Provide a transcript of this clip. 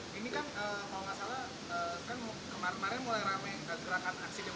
didiri di mk dan kemudian di bnp